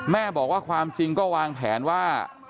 แม่บอกว่าความจริงก็วางแผนว่า